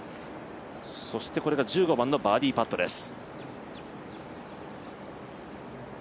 そしてこれが１５番のバーディーパットです。